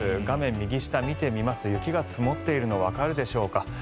画面右下を見てみますと雪が積もっているのわかるでしょうか。